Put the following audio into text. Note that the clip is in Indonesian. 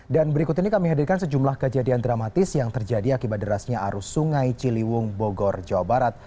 dan berikut ini kami hadirkan sejumlah kejadian dramatis yang terjadi akibat derasnya arus sungai ciliwung bogor jawa barat